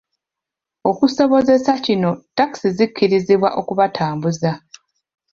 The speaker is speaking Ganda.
Okusobozesa kino takisi zikkirizibwa okubatambuza.